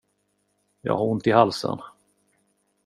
Jag har ont i halsen.